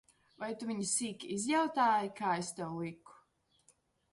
Vai tu viņu sīki izjautāji, kā es tev liku?